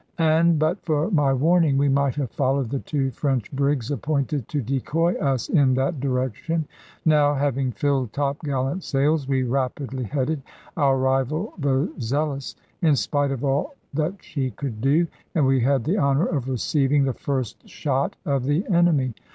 And but for my warning, we might have followed the two French brigs appointed to decoy us in that direction. Now, having filled top gallant sails, we rapidly headed our rival the Zealous, in spite of all that she could do; and we had the honour of receiving the first shot of the enemy.